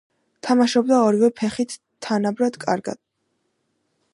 თამაშობდა ორივე ფეხით თანაბრად კარგად.